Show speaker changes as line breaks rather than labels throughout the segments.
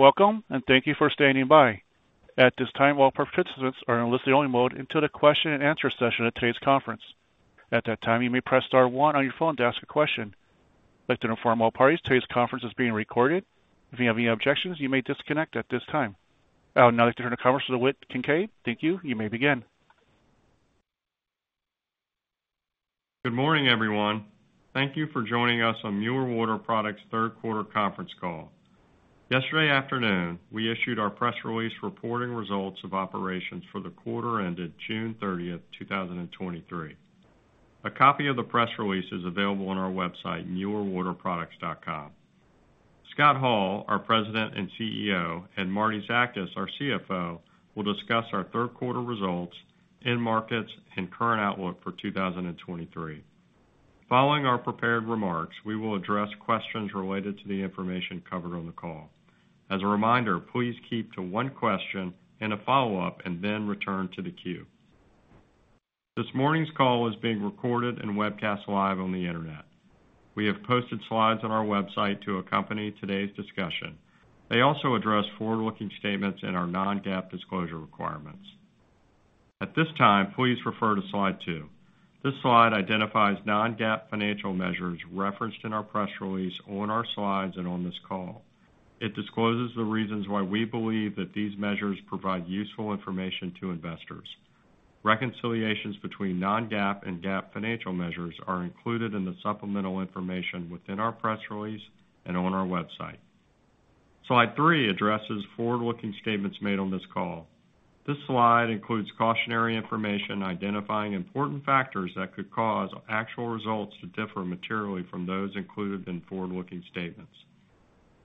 Welcome, and thank you for standing by. At this time, all participants are in listen-only mode until the question-and-answer session of today's conference. At that time, you may press star one on your phone to ask a question. I'd like to inform all parties today's conference is being recorded. If you have any objections, you may disconnect at this time. I would now like to turn the conference to the Whit Kincaid. Thank you. You may begin.
Good morning, everyone. Thank you for joining us on Mueller Water Products' third quarter conference call. Yesterday afternoon, we issued our press release reporting results of operations for the quarter ended June 30th, 2023. A copy of the press release is available on our website, muellerwaterproducts.com. Scott Hall, our President and CEO, and Martie Zakas, our CFO, will discuss our third quarter results, end markets, and current outlook for 2023. Following our prepared remarks, we will address questions related to the information covered on the call. As a reminder, please keep to one question and a follow-up, and then return to the queue. This morning's call is being recorded and webcast live on the Internet. We have posted slides on our website to accompany today's discussion. They also address forward-looking statements and our non-GAAP disclosure requirements. At this time, please refer to slide 2. This slide identifies non-GAAP financial measures referenced in our press release, on our slides, and on this call. It discloses the reasons why we believe that these measures provide useful information to investors. Reconciliations between non-GAAP and GAAP financial measures are included in the supplemental information within our press release and on our website. Slide 3 addresses forward-looking statements made on this call. This slide includes cautionary information identifying important factors that could cause actual results to differ materially from those included in forward-looking statements.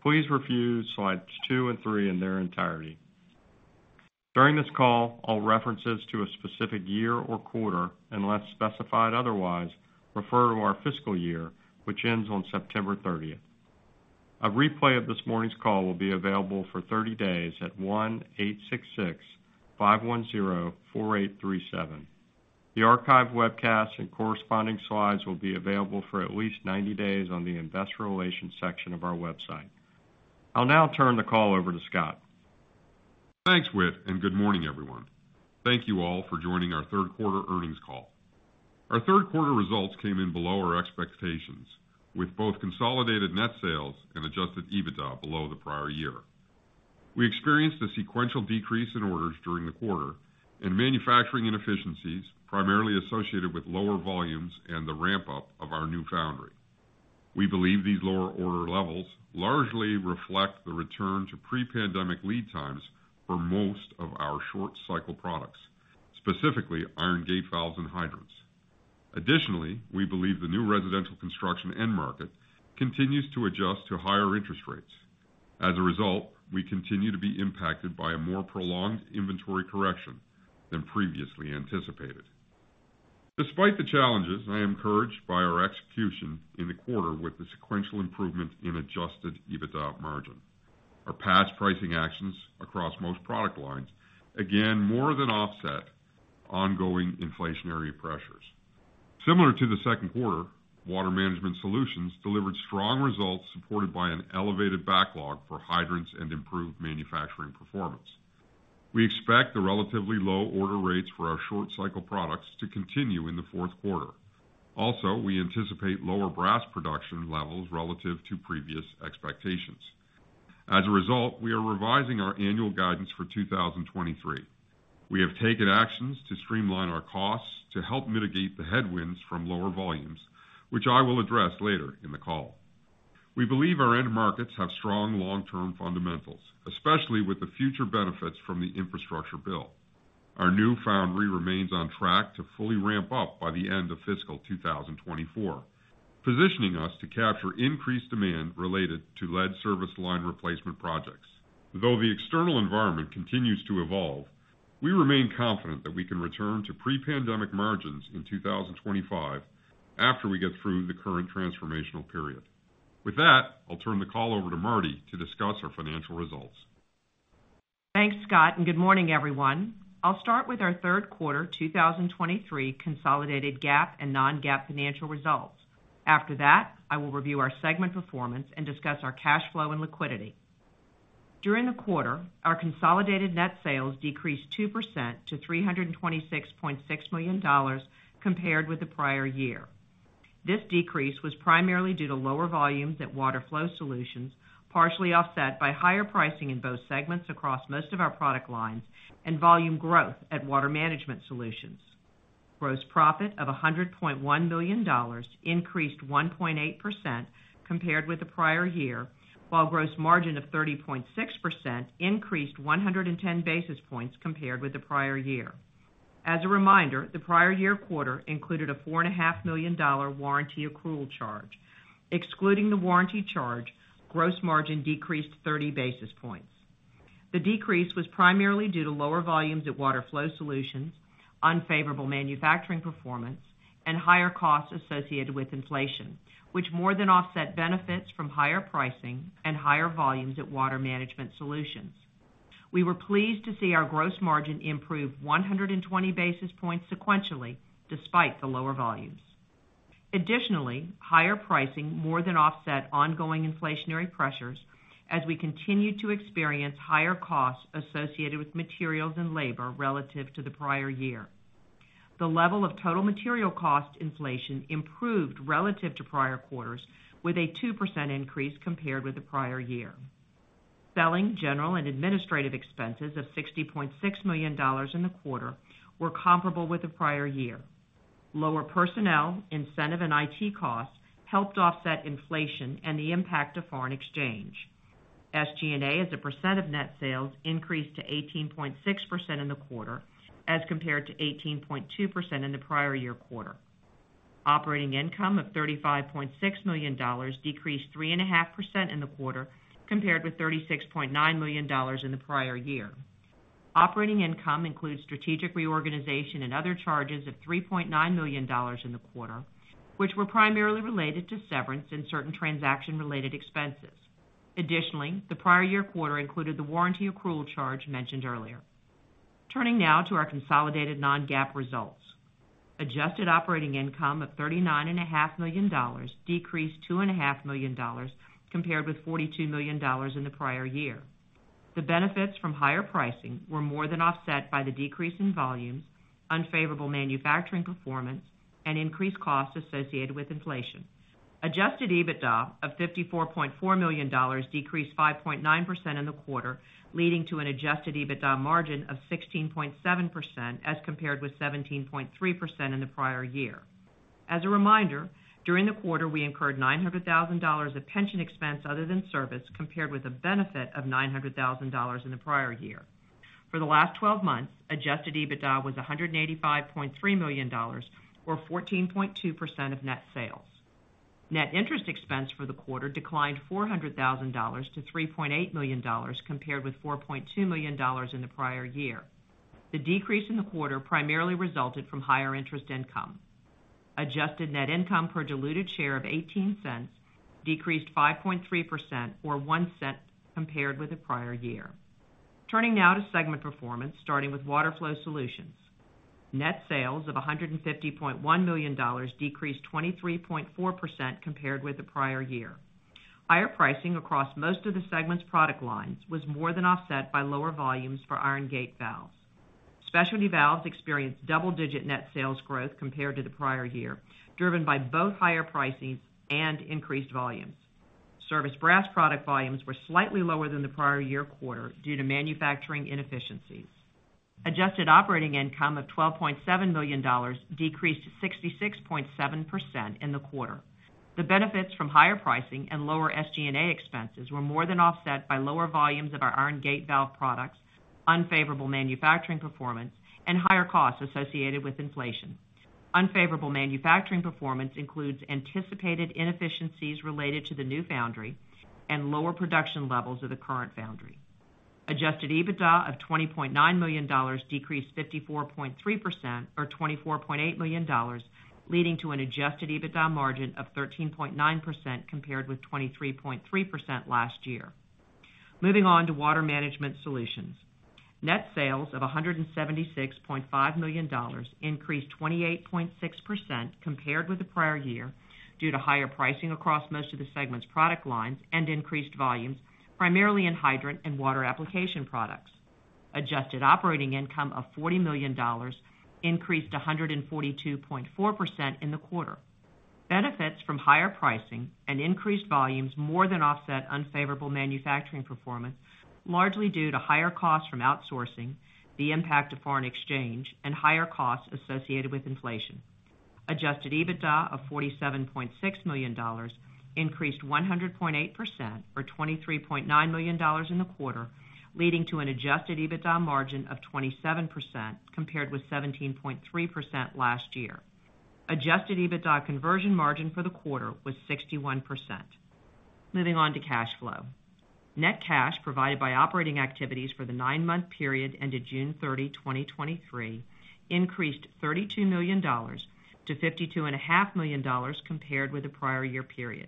Please review slides 2 and 3 in their entirety. During this call, all references to a specific year or quarter, unless specified otherwise, refer to our fiscal year, which ends on September 30th. A replay of this morning's call will be available for 30 days at 1-866-510-4837. The archive webcast and corresponding slides will be available for at least 90 days on the investor relations section of our website. I'll now turn the call over to Scott.
Thanks, Whit, and good morning, everyone. Thank you all for joining our third quarter earnings call. Our third quarter results came in below our expectations, with both consolidated net sales and Adjusted EBITDA below the prior year. We experienced a sequential decrease in orders during the quarter and manufacturing inefficiencies, primarily associated with lower volumes and the ramp-up of our new foundry. We believe these lower order levels largely reflect the return to pre-pandemic lead times for most of our short cycle products, specifically iron gate valves and hydrants. Additionally, we believe the new residential construction end market continues to adjust to higher interest rates. As a result, we continue to be impacted by a more prolonged inventory correction than previously anticipated. Despite the challenges, I am encouraged by our execution in the quarter with the sequential improvement in Adjusted EBITDA margin. Our past pricing actions across most product lines, again, more than offset ongoing inflationary pressures. Similar to the second quarter, Water Management Solutions delivered strong results, supported by an elevated backlog for hydrants and improved manufacturing performance. We expect the relatively low order rates for our short cycle products to continue in the fourth quarter. Also, we anticipate lower brass production levels relative to previous expectations. As a result, we are revising our annual guidance for 2023. We have taken actions to streamline our costs to help mitigate the headwinds from lower volumes, which I will address later in the call. We believe our end markets have strong long-term fundamentals, especially with the future benefits from the infrastructure bill. Our new foundry remains on track to fully ramp up by the end of fiscal 2024, positioning us to capture increased demand related to lead service line replacement projects. Though the external environment continues to evolve, we remain confident that we can return to pre-pandemic margins in 2025 after we get through the current transformational period. With that, I'll turn the call over to Martie to discuss our financial results.
Thanks, Scott, and good morning, everyone. I'll start with our third quarter 2023 consolidated GAAP and non-GAAP financial results. After that, I will review our segment performance and discuss our cash flow and liquidity. During the quarter, our consolidated net sales decreased 2% to $326.6 million compared with the prior year. This decrease was primarily due to lower volumes at Water Flow Solutions, partially offset by higher pricing in both segments across most of our product lines and volume growth at Water Management Solutions. Gross profit of $100.1 million increased 1.8% compared with the prior year, while gross margin of 30.6% increased 110 basis points compared with the prior year. As a reminder, the prior year quarter included a $4.5 million warranty accrual charge. Excluding the warranty charge, gross margin decreased 30 basis points. The decrease was primarily due to lower volumes at Water Flow Solutions, unfavorable manufacturing performance, and higher costs associated with inflation, which more than offset benefits from higher pricing and higher volumes at Water Management Solutions. We were pleased to see our gross margin improve 120 basis points sequentially, despite the lower volumes. Additionally, higher pricing more than offset ongoing inflationary pressures as we continued to experience higher costs associated with materials and labor relative to the prior year. The level of total material cost inflation improved relative to prior quarters, with a 2% increase compared with the prior year. Selling, general, and administrative expenses of $60.6 million in the quarter were comparable with the prior year. Lower personnel, incentive, and IT costs helped offset inflation and the impact of foreign exchange. SG&A, as a percent of net sales, increased to 18.6% in the quarter, as compared to 18.2% in the prior year quarter. Operating income of $35.6 million decreased 3.5% in the quarter, compared with $36.9 million in the prior year. Operating income includes strategic reorganization and other charges of $3.9 million in the quarter, which were primarily related to severance and certain transaction-related expenses. Additionally, the prior year quarter included the warranty accrual charge mentioned earlier. Turning now to our consolidated non-GAAP results. Adjusted operating income of $39.5 million decreased $2.5 million, compared with $42 million in the prior year. The benefits from higher pricing were more than offset by the decrease in volumes, unfavorable manufacturing performance, and increased costs associated with inflation. Adjusted EBITDA of $54.4 million decreased 5.9% in the quarter, leading to an Adjusted EBITDA margin of 16.7%, as compared with 17.3% in the prior year. As a reminder, during the quarter, we incurred $900,000 of pension expense other than service, compared with a benefit of $900,000 in the prior year. For the last 12 months, Adjusted EBITDA was $185.3 million or 14.2% of net sales. Net interest expense for the quarter declined $400,000 to $3.8 million, compared with $4.2 million in the prior year. The decrease in the quarter primarily resulted from higher interest income. Adjusted net income per diluted share of $0.18 decreased 5.3% or $0.01 compared with the prior year. Turning now to segment performance, starting with Water Flow Solutions. Net sales of $150.1 million decreased 23.4% compared with the prior year. Higher pricing across most of the segment's product lines was more than offset by lower volumes for iron gate valves. Specialty valves experienced double-digit net sales growth compared to the prior year, driven by both higher pricings and increased volumes. Service brass product volumes were slightly lower than the prior year quarter due to manufacturing inefficiencies. Adjusted operating income of $12.7 million decreased 66.7% in the quarter. The benefits from higher pricing and lower SG&A expenses were more than offset by lower volumes of our iron gate valve products, unfavorable manufacturing performance, and higher costs associated with inflation. Unfavorable manufacturing performance includes anticipated inefficiencies related to the new foundry and lower production levels of the current foundry. Adjusted EBITDA of $20.9 million decreased 54.3% or $24.8 million, leading to an Adjusted EBITDA margin of 13.9%, compared with 23.3% last year. Moving on to Water Management Solutions. Net sales of $176.5 million increased 28.6% compared with the prior year due to higher pricing across most of the segment's product lines and increased volumes, primarily in hydrant and water application products. Adjusted operating income of $40 million increased 142.4% in the quarter. Benefits from higher pricing and increased volumes more than offset unfavorable manufacturing performance, largely due to higher costs from outsourcing, the impact of foreign exchange, and higher costs associated with inflation. Adjusted EBITDA of $47.6 million increased 100.8% or $23.9 million in the quarter, leading to an Adjusted EBITDA margin of 27%, compared with 17.3% last year. Adjusted EBITDA conversion margin for the quarter was 61%. Moving on to cash flow. Net cash provided by operating activities for the nine-month period ended June 30, 2023, increased $32 million to $52.5 million compared with the prior year period.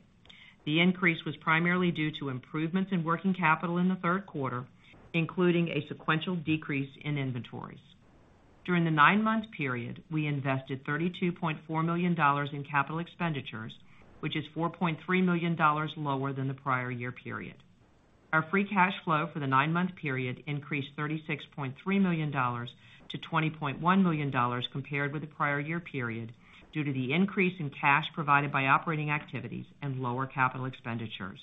The increase was primarily due to improvements in working capital in the third quarter, including a sequential decrease in inventories. During the nine-month period, we invested $32.4 million in capital expenditures, which is $4.3 million lower than the prior year period. Our free cash flow for the nine-month period increased $36.3 million to $20.1 million compared with the prior year period, due to the increase in cash provided by operating activities and lower capital expenditures.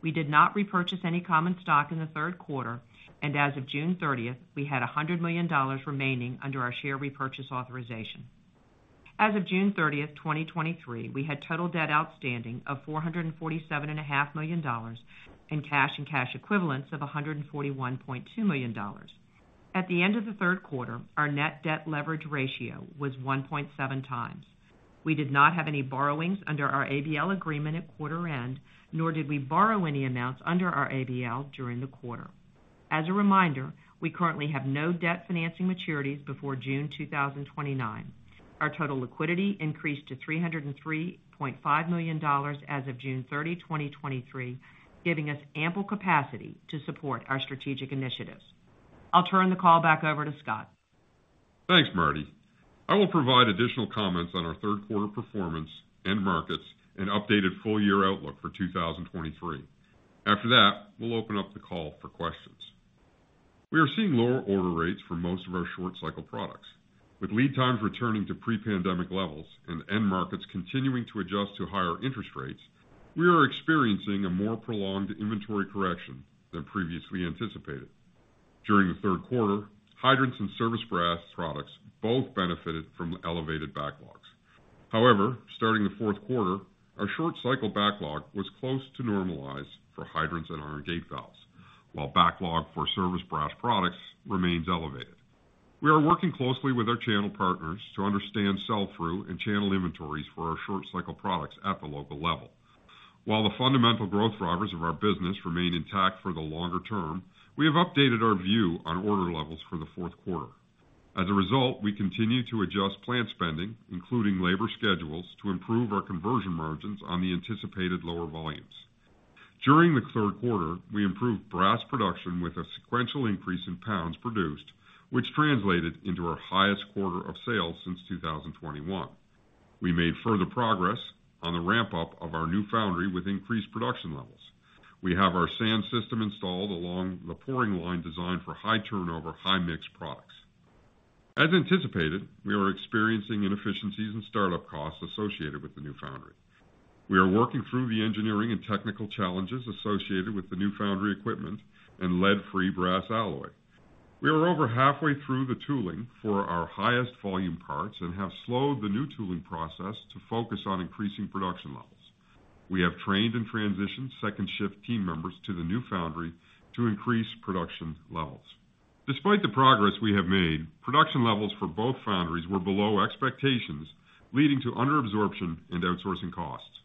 We did not repurchase any common stock in the third quarter, and as of June 30th, we had $100 million remaining under our share repurchase authorization. As of June 30th, 2023, we had total debt outstanding of $447.5 million, and cash and cash equivalents of $141.2 million. At the end of the third quarter, our net debt leverage ratio was 1.7x. We did not have any borrowings under our ABL agreement at quarter end, nor did we borrow any amounts under our ABL during the quarter. As a reminder, we currently have no debt financing maturities before June 2029. Our total liquidity increased to $303.5 million as of June 30th, 2023, giving us ample capacity to support our strategic initiatives. I'll turn the call back over to Scott.
Thanks, Martie. I will provide additional comments on our third quarter performance and markets and updated full year outlook for 2023. After that, we'll open up the call for questions. We are seeing lower order rates for most of our short cycle products, with lead times returning to pre-pandemic levels and end markets continuing to adjust to higher interest rates, we are experiencing a more prolonged inventory correction than previously anticipated. During the third quarter, hydrants and service brass products both benefited from elevated backlogs. Starting the fourth quarter, our short cycle backlog was close to normalized for hydrants and iron gate valves, while backlog for service brass products remains elevated. We are working closely with our channel partners to understand sell-through and channel inventories for our short cycle products at the local level. While the fundamental growth drivers of our business remain intact for the longer term, we have updated our view on order levels for the fourth quarter. As a result, we continue to adjust plant spending, including labor schedules, to improve our conversion margins on the anticipated lower volumes. During the third quarter, we improved brass production with a sequential increase in pounds produced, which translated into our highest quarter of sales since 2021. We made further progress on the ramp-up of our new foundry with increased production levels. We have our sand system installed along the pouring line, designed for high turnover, high-mix products. As anticipated, we are experiencing inefficiencies and startup costs associated with the new foundry. We are working through the engineering and technical challenges associated with the new foundry equipment and lead-free brass alloy. We are over halfway through the tooling for our highest volume parts and have slowed the new tooling process to focus on increasing production levels. We have trained and transitioned second shift team members to the new foundry to increase production levels. Despite the progress we have made, production levels for both foundries were below expectations, leading to under absorption and outsourcing costs.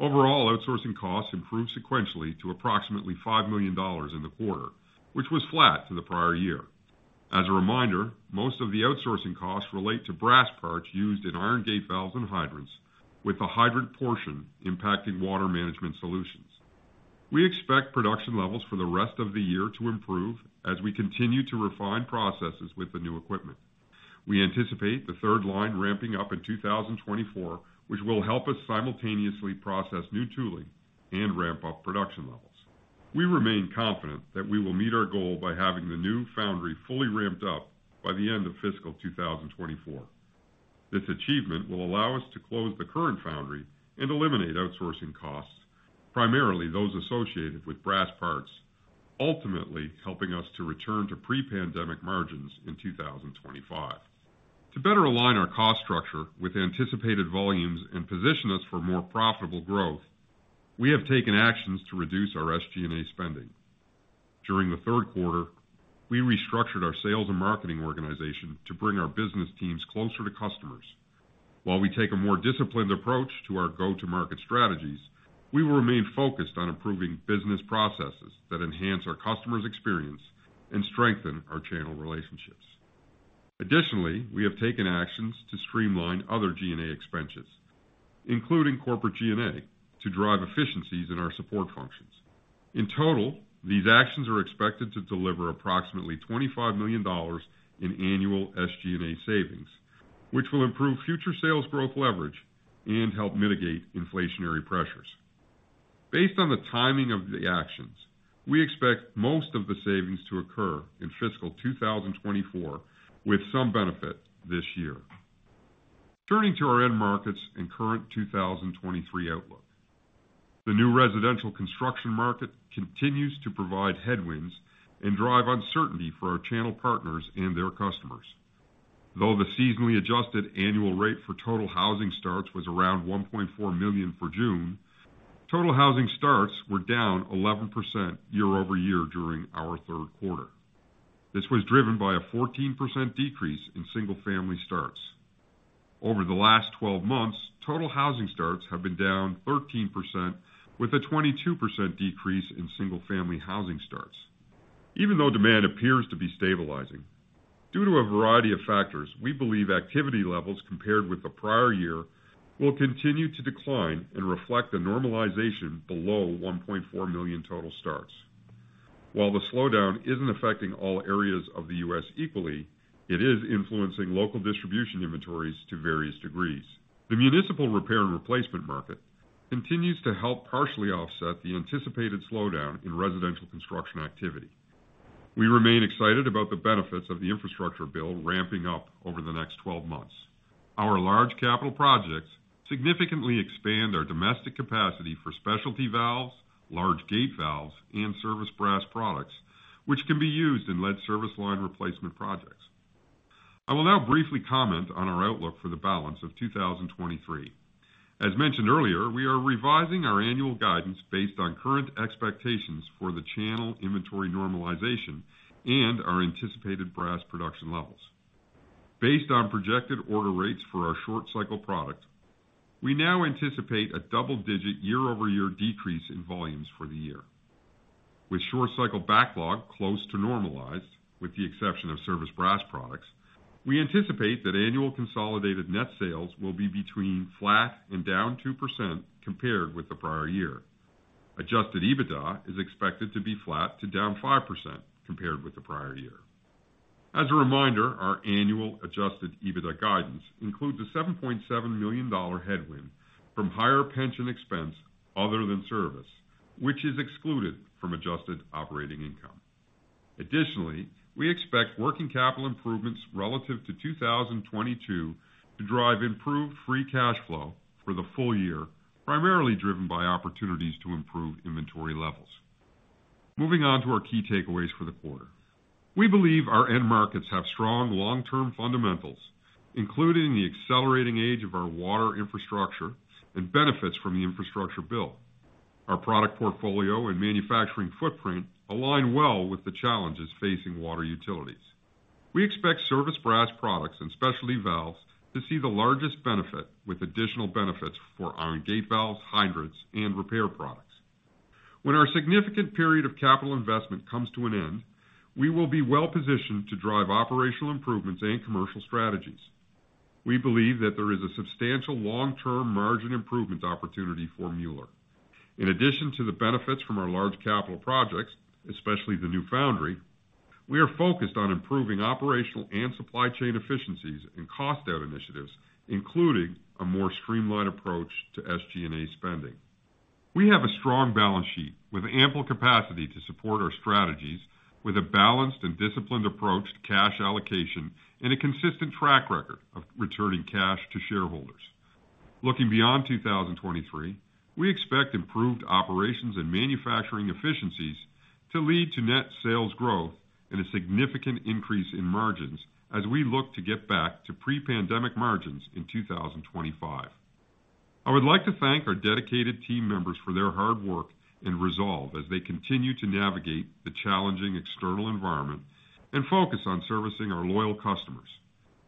Overall, outsourcing costs improved sequentially to approximately $5 million in the quarter, which was flat to the prior year. As a reminder, most of the outsourcing costs relate to brass parts used in iron gate valves and hydrants, with the hydrant portion impacting Water Management Solutions. We expect production levels for the rest of the year to improve as we continue to refine processes with the new equipment. We anticipate the third line ramping up in 2024, which will help us simultaneously process new tooling and ramp up production levels. We remain confident that we will meet our goal by having the new foundry fully ramped up by the end of fiscal 2024. This achievement will allow us to close the current foundry and eliminate outsourcing costs, primarily those associated with brass parts, ultimately helping us to return to pre-pandemic margins in 2025. To better align our cost structure with anticipated volumes and position us for more profitable growth, we have taken actions to reduce our SG&A spending. During the third quarter, we restructured our sales and marketing organization to bring our business teams closer to customers. While we take a more disciplined approach to our go-to-market strategies, we will remain focused on improving business processes that enhance our customers' experience and strengthen our channel relationships. Additionally, we have taken actions to streamline other G&A expenses, including corporate G&A, to drive efficiencies in our support functions. In total, these actions are expected to deliver approximately $25 million in annual SG&A savings, which will improve future sales growth leverage and help mitigate inflationary pressures. Based on the timing of the actions, we expect most of the savings to occur in fiscal 2024, with some benefit this year. Turning to our end markets and current 2023 outlook. The new residential construction market continues to provide headwinds and drive uncertainty for our channel partners and their customers. Though the seasonally adjusted annual rate for total housing starts was around 1.4 million for June, total housing starts were down 11% year-over-year during our third quarter. This was driven by a 14% decrease in single-family starts. Over the last 12 months, total housing starts have been down 13%, with a 22% decrease in single-family housing starts. Even though demand appears to be stabilizing, due to a variety of factors, we believe activity levels compared with the prior year will continue to decline and reflect a normalization below 1.4 million total starts. While the slowdown isn't affecting all areas of the U.S. equally, it is influencing local distribution inventories to various degrees. The municipal repair and replacement market continues to help partially offset the anticipated slowdown in residential construction activity. We remain excited about the benefits of the infrastructure bill ramping up over the next 12 months. Our large capital projects significantly expand our domestic capacity for specialty valves, large gate valves, and service brass products, which can be used in lead service line replacement projects. I will now briefly comment on our outlook for the balance of 2023. As mentioned earlier, we are revising our annual guidance based on current expectations for the channel inventory normalization and our anticipated brass production levels. Based on projected order rates for our short-cycle products, we now anticipate a double-digit year-over-year decrease in volumes for the year. With short cycle backlog close to normalized, with the exception of service brass products, we anticipate that annual consolidated net sales will be between flat and down 2% compared with the prior year. Adjusted EBITDA is expected to be flat to down 5% compared with the prior year. As a reminder, our annual Adjusted EBITDA guidance includes a $7.7 million headwind from higher pension expense other than service, which is excluded from adjusted operating income. Additionally, we expect working capital improvements relative to 2022 to drive improved free cash flow for the full year, primarily driven by opportunities to improve inventory levels. Moving on to our key takeaways for the quarter. We believe our end markets have strong long-term fundamentals, including the accelerating age of our water infrastructure and benefits from the infrastructure bill. Our product portfolio and manufacturing footprint align well with the challenges facing water utilities. We expect service brass products and specialty valves to see the largest benefit, with additional benefits for iron gate valves, hydrants, and repair products. When our significant period of capital investment comes to an end, we will be well-positioned to drive operational improvements and commercial strategies. We believe that there is a substantial long-term margin improvement opportunity for Mueller. In addition to the benefits from our large capital projects, especially the new foundry, we are focused on improving operational and supply chain efficiencies and cost out initiatives, including a more streamlined approach to SG&A spending. We have a strong balance sheet with ample capacity to support our strategies, with a balanced and disciplined approach to cash allocation and a consistent track record of returning cash to shareholders. Looking beyond 2023, we expect improved operations and manufacturing efficiencies to lead to net sales growth and a significant increase in margins as we look to get back to pre-pandemic margins in 2025. I would like to thank our dedicated team members for their hard work and resolve as they continue to navigate the challenging external environment and focus on servicing our loyal customers,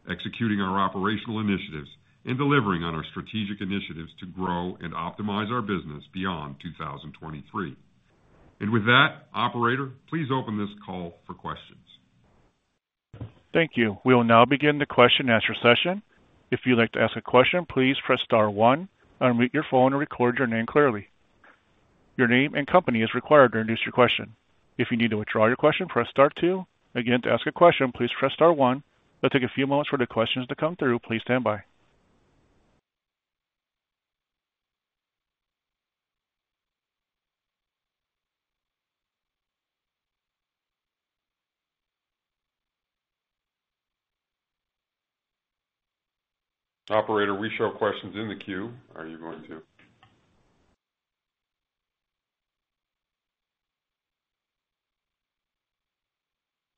executing our operational initiatives, and delivering on our strategic initiatives to grow and optimize our business beyond 2023. With that, operator, please open this call for questions.
Thank you. We will now begin the question and answer session. If you'd like to ask a question, please press star one, unmute your phone, and record your name clearly. Your name and company is required to introduce your question. If you need to withdraw your question, press star two. Again, to ask a question, please press star one. It'll take a few moments for the questions to come through. Please stand by.
Operator, we show questions in the queue. Are you going to?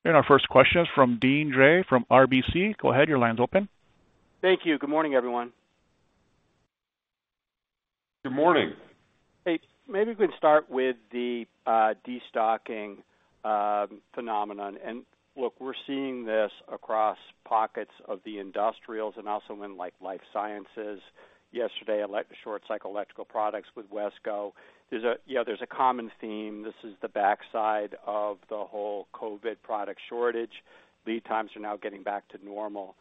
Our first question is from Deane Dray from RBC. Go ahead. Your line's open.
Thank you. Good morning, everyone.
Good morning.
Hey, maybe we can start with the destocking phenomenon. Look, we're seeing this across pockets of the industrials and also in, like, life sciences. Yesterday, short cycle electrical products with Wesco. There's a, you know, there's a common theme. This is the backside of the whole COVID product shortage. Lead times are now getting back to normal.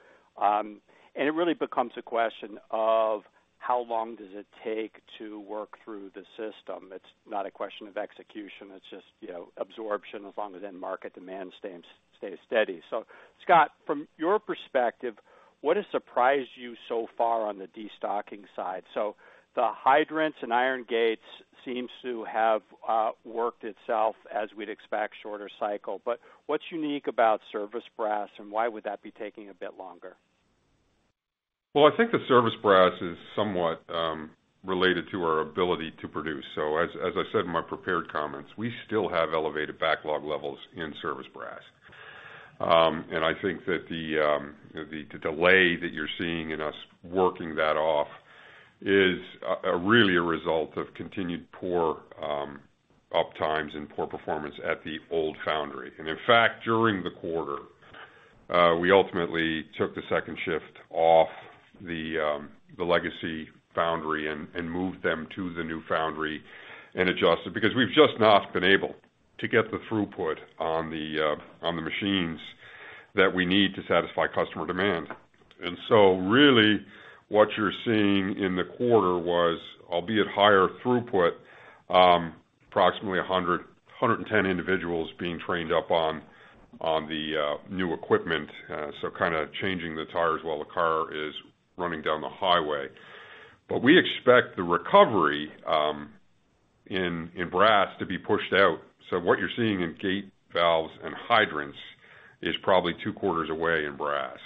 It really becomes a question of: How long does it take to work through the system? It's not a question of execution. It's just, you know, absorption, as long as then market demand stays, stays steady. Scott, from your perspective, what has surprised you so far on the destocking side? The hydrants and iron gates seems to have worked itself, as we'd expect, shorter cycle. What's unique about service brass, and why would that be taking a bit longer?
Well, I think the service brass is somewhat, related to our ability to produce. As, as I said in my prepared comments, we still have elevated backlog levels in service brass. I think that the, the delay that you're seeing in us working that off is really a result of continued poor, up times and poor performance at the old foundry. In fact, during the quarter, we ultimately took the second shift off the, the legacy foundry and, and moved them to the new foundry and adjusted, because we've just not been able to get the throughput on the, on the machines that we need to satisfy customer demand. Really, what you're seeing in the quarter was, albeit higher throughput, approximately 100, 110 individuals being trained up on the new equipment, so kind of changing the tires while the car is running down the highway. We expect the recovery in brass to be pushed out. What you're seeing in gate valves and hydrants is probably two quarters away in brass,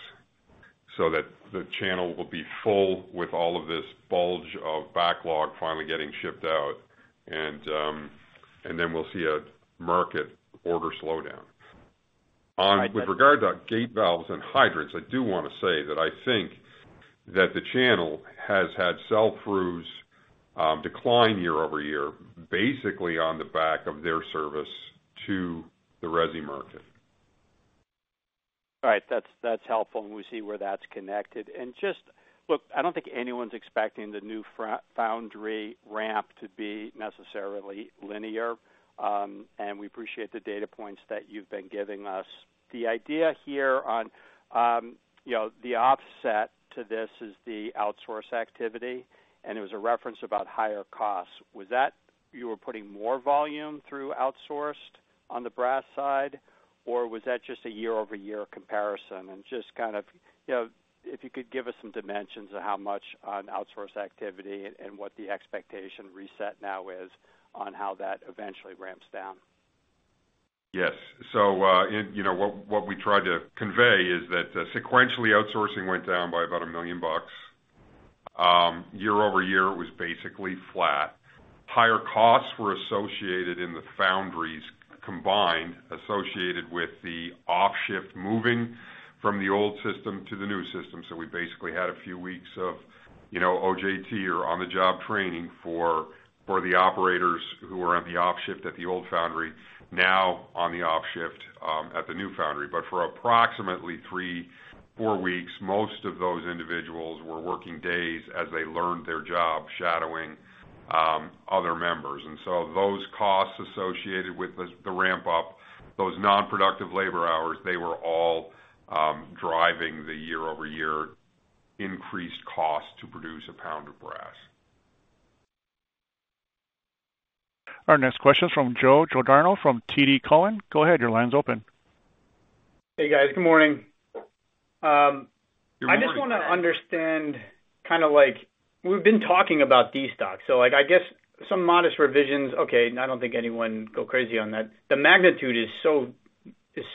so that the channel will be full with all of this bulge of backlog finally getting shipped out, and then we'll see a market order slowdown. With regard to gate valves and hydrants, I do want to say that I think that the channel has had sell-throughs decline year-over-year, basically on the back of their service to the resi market.
Right. That's, that's helpful, and we see where that's connected. Just look, I don't think anyone's expecting the new foundry ramp to be necessarily linear, and we appreciate the data points that you've been giving us. The idea here on, you know, the offset to this is the outsource activity, and it was a reference about higher costs. Was that you were putting more volume through outsourced? on the brass side, or was that just a year-over-year comparison? Just kind of, you know, if you could give us some dimensions of how much on outsource activity and what the expectation reset now is on how that eventually ramps down.
Yes. You know, what, what we tried to convey is that, sequentially, outsourcing went down by about $1 million. Year-over-year, it was basically flat. Higher costs were associated in the foundries combined, associated with the off shift moving from the old system to the new system. We basically had a few weeks of, you know, OJT or on-the-job training for, for the operators who were on the off shift at the old foundry, now on the off shift at the new foundry. For approximately three, four weeks, most of those individuals were working days as they learned their job, shadowing other members. Those costs associated with the, the ramp up, those non-productive labor hours, they were all driving the year-over-year increased cost to produce a pound of brass.
Our next question is from Joe Giordano from TD Cowen. Go ahead, your line's open.
Hey, guys. Good morning.
Good morning.
I just wanna understand, kinda like, we've been talking about destock. Like, I guess some modest revisions, okay, I don't think anyone go crazy on that. The magnitude is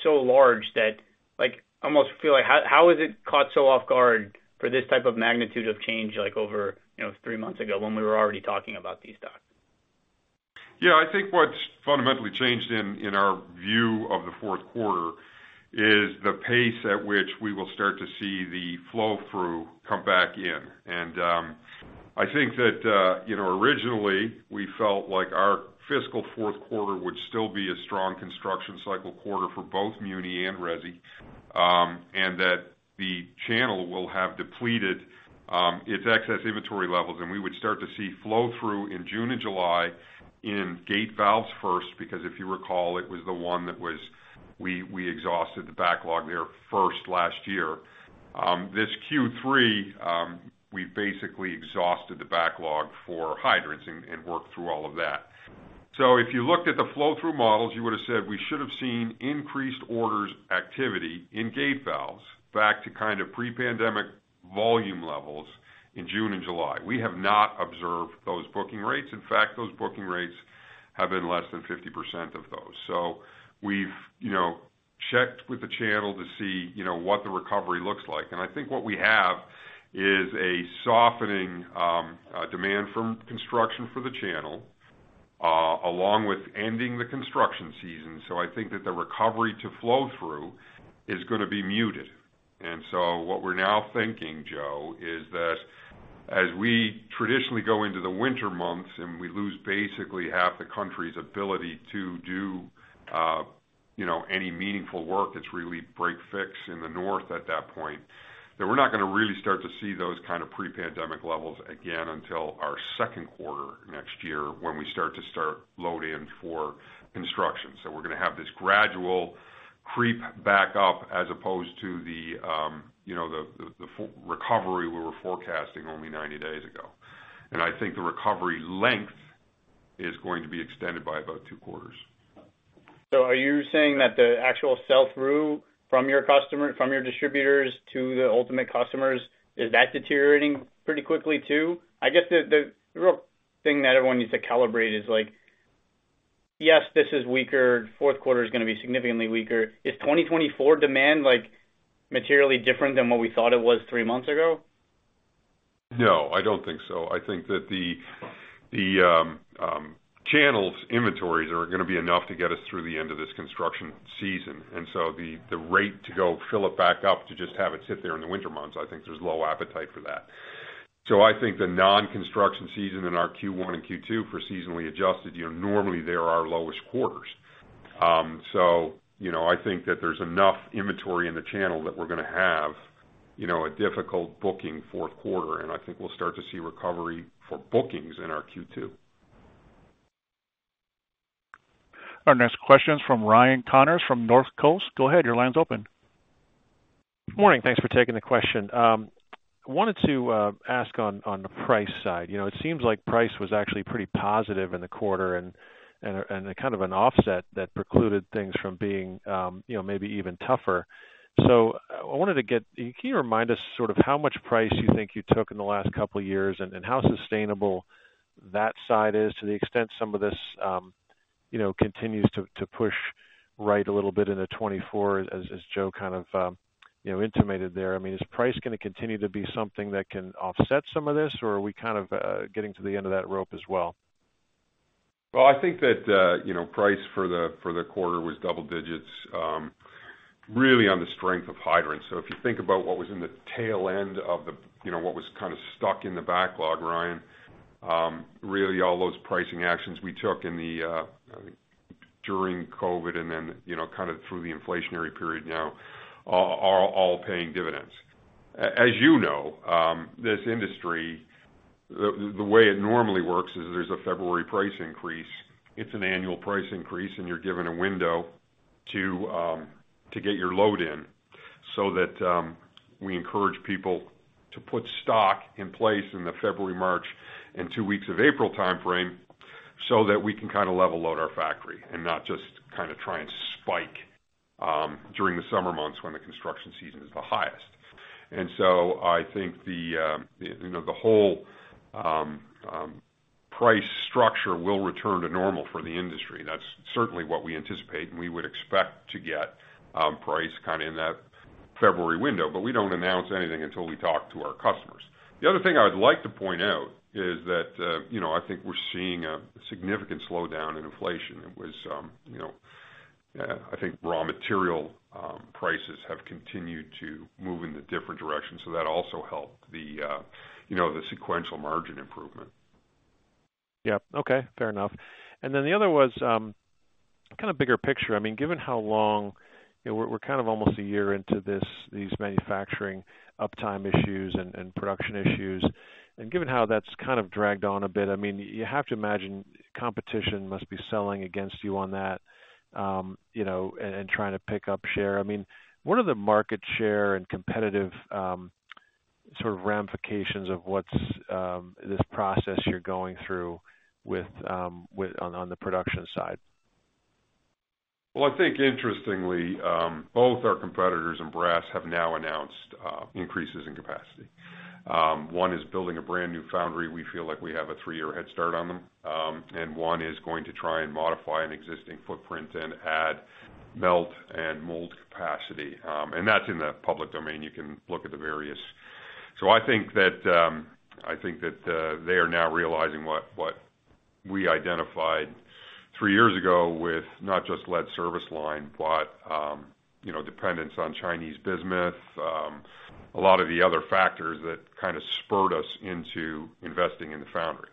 so large that, like, almost feel like, how, how is it caught so off guard for this type of magnitude of change, like, over, you know, three months ago when we were already talking about destock?
Yeah, I think what's fundamentally changed in, in our view of the fourth quarter is the pace at which we will start to see the flow-through come back in. I think that, you know, originally, we felt like our fiscal fourth quarter would still be a strong construction cycle quarter for both muni and resi, and that the channel will have depleted its excess inventory levels, and we would start to see flow-through in June and July in gate valves first, because if you recall, it was the one that we, we exhausted the backlog there first, last year. This Q3, we basically exhausted the backlog for hydrants and, and worked through all of that. If you looked at the flow-through models, you would have said we should have seen increased orders activity in gate valves back to kind of pre-pandemic volume levels in June and July. We have not observed those booking rates. In fact, those booking rates have been less than 50% of those. We've, you know, checked with the channel to see, you know, what the recovery looks like. I think what we have is a softening demand from construction for the channel along with ending the construction season. I think that the recovery to flow through is gonna be muted. What we're now thinking, Joe, is that as we traditionally go into the winter months and we lose basically half the country's ability to do, you know, any meaningful work, it's really break fix in the north at that point, that we're not gonna really start to see those kind of pre-pandemic levels again until our second quarter next year, when we start to start load in for construction. We're gonna have this gradual creep back up, as opposed to the, you know, the, the, the recovery we were forecasting only 90 days ago. I think the recovery length is going to be extended by about two quarters.
Are you saying that the actual sell-through from your distributors to the ultimate customers, is that deteriorating pretty quickly, too? I guess the real thing that everyone needs to calibrate is like, yes, this is weaker. Fourth quarter is gonna be significantly weaker. Is 2024 demand, like, materially different than what we thought it was three months ago?
No, I don't think so. I think that the, the channels inventories are gonna be enough to get us through the end of this construction season. The, the rate to go fill it back up, to just have it sit there in the winter months, I think there's low appetite for that. I think the non-construction season in our Q1 and Q2 for seasonally adjusted, you know, normally they are our lowest quarters. You know, I think that there's enough inventory in the channel that we're gonna have, you know, a difficult booking fourth quarter, and I think we'll start to see recovery for bookings in our Q2.
Our next question is from Ryan Connors, from Northcoast Research. Go ahead. Your line's open.
Good morning. Thanks for taking the question. I wanted to ask on, on the price side. You know, it seems like price was actually pretty positive in the quarter and, and, and a kind of an offset that precluded things from being, you know, maybe even tougher. So I wanted to get. Can you remind us sort of how much price you think you took in the last couple of years, and, and how sustainable that side is, to the extent some of this, you know, continues to, to push right a little bit into 2024, as, as Joe kind of, you know, intimated there? I mean, is price gonna continue to be something that can offset some of this, or are we kind of, getting to the end of that rope as well?
Well, I think that, you know, price for the quarter was double digits, really on the strength of hydrants. If you think about what was in the tail end of the, you know, what was kind of stuck in the backlog, Ryan, really, all those pricing actions we took in the during COVID and then, you know, kind of through the inflationary period now, are all paying dividends. As you know, this industry, the way it normally works is there's a February price increase. It's an annual price increase, and you're given a window to get your load in. That we encourage people to put stock in place in the February, March, and two weeks of April time frame, so that we can kind of level load our factory and not just kind of try and spike during the summer months when the construction season is the highest. I think the, you know, the whole price structure will return to normal for the industry. That's certainly what we anticipate, and we would expect to get price kind of in that February window. We don't announce anything until we talk to our customers. The other thing I would like to point out is that, you know, I think we're seeing a significant slowdown in inflation. It was, you know, I think raw material prices have continued to move in a different direction, so that also helped the, you know, the sequential margin improvement.
Yep. Okay, fair enough. Then the other was, kind of bigger picture. I mean, given how long... You know, we're, we're kind of almost a year into these manufacturing uptime issues and production issues, and given how that's kind of dragged on a bit, I mean, you have to imagine competition must be selling against you on that, you know, and trying to pick up share. I mean, what are the market share and competitive sort of ramifications of what's this process you're going through with on the production side?
Well, I think interestingly, both our competitors in brass have now announced increases in capacity. One is building a brand new foundry. We feel like we have a three-year head start on them. One is going to try and modify an existing footprint and add melt and mold capacity. That's in the public domain. You can look at the various... I think that, I think that, they are now realizing what, what we identified 3 years ago with not just lead service line, but, you know, dependence on Chinese bismuth, a lot of the other factors that kind of spurred us into investing in the foundry.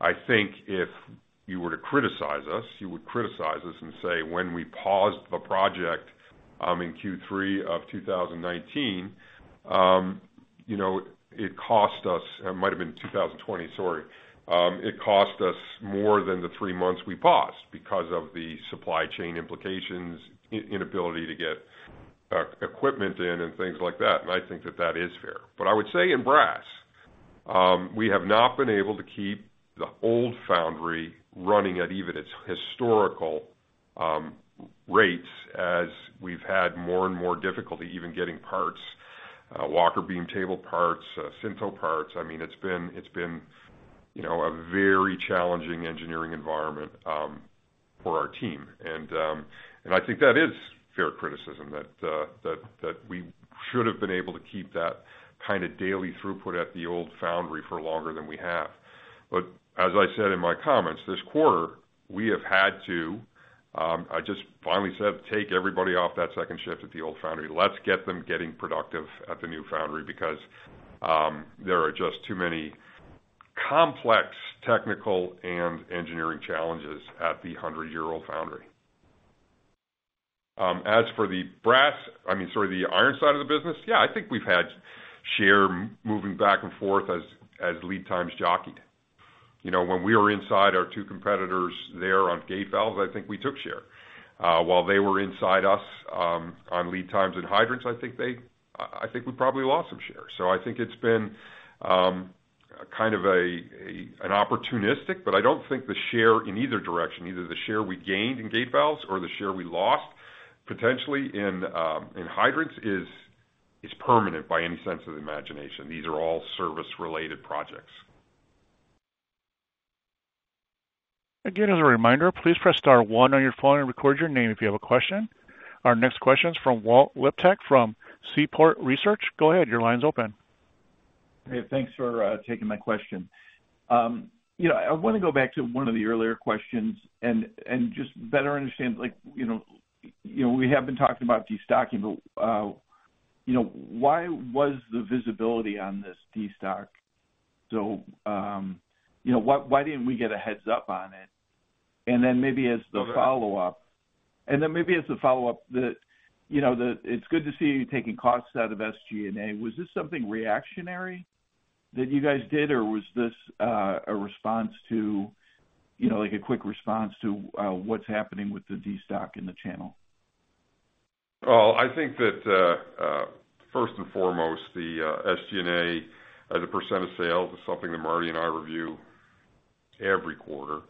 I think if you were to criticize us, you would criticize us and say, when we paused the project, in Q3 of 2019, you know, it cost us. It might have been 2020, sorry. It cost us more than the three months we paused because of the supply chain implications, inability to get equipment in and things like that. I think that that is fair. I would say in brass, we have not been able to keep the old foundry running at even its historical rates, as we've had more and more difficulty even getting parts, walking beam table parts, Sinto parts. I mean, it's been, it's been, you know, a very challenging engineering environment for our team. I think that is fair criticism, that, that, that we should have been able to keep that kind of daily throughput at the old foundry for longer than we have. As I said in my comments, this quarter, we have had to, I just finally said, take everybody off that second shift at the old foundry. Let's get them getting productive at the new foundry because there are just too many complex technical and engineering challenges at the hundred-year-old foundry. As for the brass, I mean, sorry, the iron side of the business, yeah, I think we've had share moving back and forth as, as lead times jockeyed. You know, when we were inside our two competitors there on gate valves, I think we took share. While they were inside us, on lead times and hydrants, I think they, I think we probably lost some share. I think it's been, kind of an opportunistic, but I don't think the share in either direction, either the share we gained in gate valves or the share we lost potentially in hydrants, is, is permanent by any sense of imagination. These are all service-related projects.
As a reminder, please press star one on your phone and record your name if you have a question. Our next question is from Walt Liptak, from Seaport Research. Go ahead. Your line's open.
Hey, thanks for taking my question. You know, I want to go back to one of the earlier questions and, and just better understand, like, you know, you know, we have been talking about destocking, but, you know, why was the visibility on this destock? You know, what- why didn't we get a heads up on it? Maybe as the follow-up- and then maybe as a follow-up, the, you know, the, it's good to see you taking costs out of SG&A. Was this something reactionary that you guys did, or was this a response to, you know, like a quick response to what's happening with the destock in the channel?
Well, I think that, first and foremost, the SG&A, as a percent of sales, is something that Martie and I review every quarter.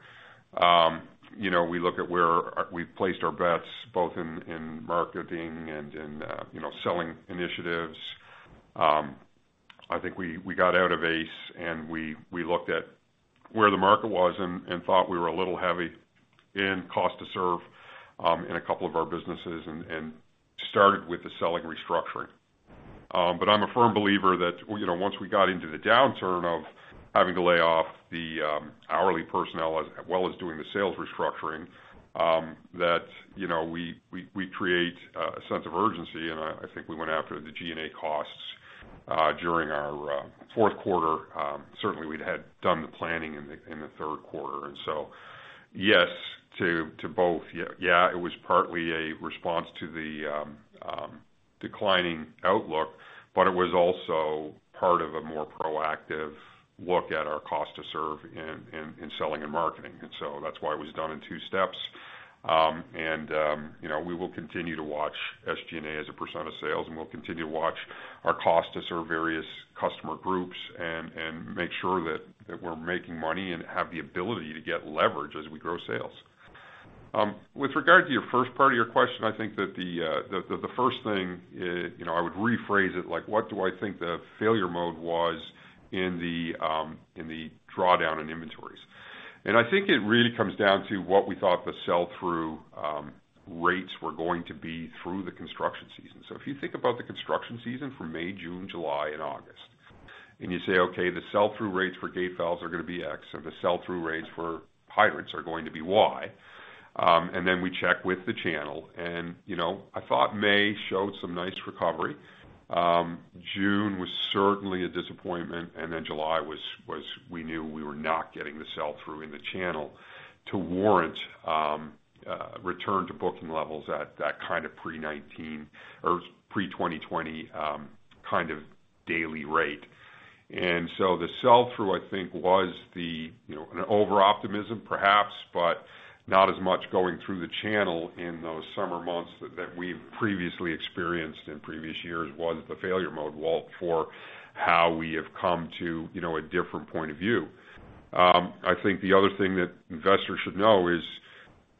You know, we look at where we've placed our bets, both in, in marketing and in, you know, selling initiatives. I think we, we got out of ace, and we, we looked at where the market was and, and thought we were a little heavy in cost to serve, in a couple of our businesses and, and started with the selling restructuring. I'm a firm believer that, you know, once we got into the downturn of having to lay off the hourly personnel, as well as doing the sales restructuring, that, you know, we, we, we create a sense of urgency, and I, I think we went after the G&A costs during our fourth quarter. Certainly, we'd had done the planning in the third quarter. Yes, to both. Yeah, it was partly a response to the declining outlook, but it was also part of a more proactive look at our cost to serve in selling and marketing. That's why it was done in two steps. You know, we will continue to watch SG&A as a percent of sales, and we'll continue to watch our cost to serve various customer groups and, and make sure that, that we're making money and have the ability to get leverage as we grow sales. With regard to your first part of your question, I think that the, the, the first thing, you know, I would rephrase it, like, what do I think the failure mode was in the drawdown in inventories? I think it really comes down to what we thought the sell-through rates were going to be through the construction season. If you think about the construction season from May, June, July, and August, and you say, okay, the sell-through rates for gate valves are gonna be X, or the sell-through rates for hydrants are going to be Y. Then we check with the channel, and, you know, I thought May showed some nice recovery. June was certainly a disappointment, and then July was, was we knew we were not getting the sell-through in the channel to warrant return to booking levels at that kind of pre-2019 or pre-2020 kind of daily rate. The sell-through, I think, was the, you know, an overoptimism perhaps, but not as much going through the channel in those summer months that we've previously experienced in previous years was the failure mode, Walt, for how we have come to, you know, a different point of view. I think the other thing that investors should know is,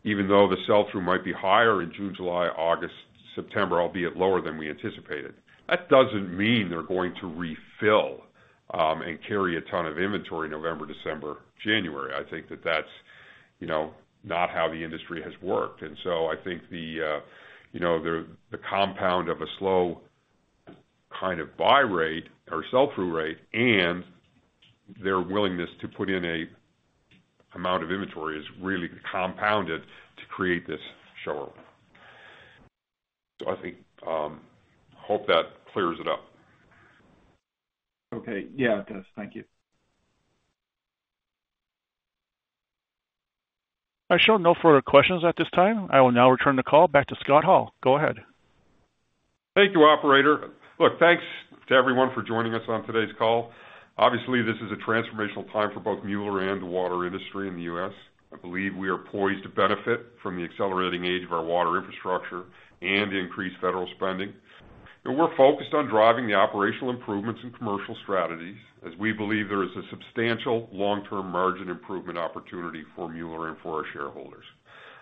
even though the sell-through might be higher in June, July, August, September, albeit lower than we anticipated, that doesn't mean they're going to refill and carry a ton of inventory November, December, January. I think that that's, you know, not how the industry has worked. I think the, you know, the, the compound of a slow kind of buy rate or sell-through rate and their willingness to put in a amount of inventory is really compounded to create this show up. I think, Hope that clears it up.
Okay. Yeah, it does. Thank you.
I show no further questions at this time. I will now return the call back to Scott Hall. Go ahead.
Thank you, operator. Look, thanks to everyone for joining us on today's call. Obviously, this is a transformational time for both Mueller and the water industry in the U.S. I believe we are poised to benefit from the accelerating age of our water infrastructure and the increased federal spending. We're focused on driving the operational improvements and commercial strategies as we believe there is a substantial long-term margin improvement opportunity for Mueller and for our shareholders.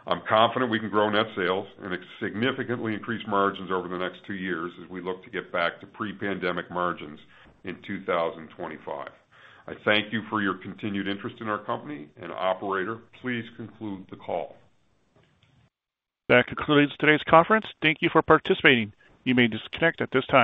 I'm confident we can grow net sales and significantly increase margins over the next two years as we look to get back to pre-pandemic margins in 2025. I thank you for your continued interest in our company, and operator, please conclude the call.
That concludes today's conference. Thank you for participating. You may disconnect at this time.